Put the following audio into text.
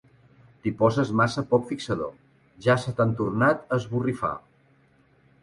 T'hi poses massa poc fixador: ja se t'han tornat a esborrifar.